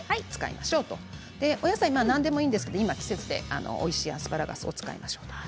お野菜、何でもいいんですけれども今、季節でおいしいアスパラガスを使いましょう。